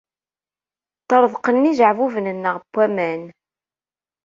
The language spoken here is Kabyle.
Ṭṭerḍqen yijeɛbuben-nneɣ n waman.